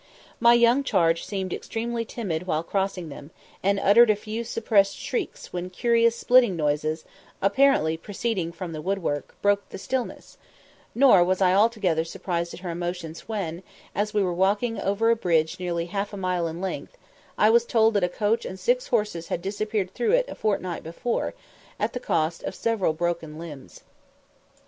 My young charge seemed extremely timid while crossing them, and uttered a few suppressed shrieks when curious splitting noises, apparently proceeding from the woodwork, broke the stillness; nor was I altogether surprised at her emotions when, as we were walking over a bridge nearly half a mile in length, I was told that a coach and six horses had disappeared through it a fortnight before, at the cost of several broken limbs.